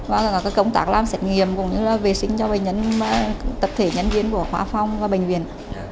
và các công tác làm xét nghiệm vệ sinh cho bệnh nhân tập thể nhân viên của khoa phòng và bệnh viện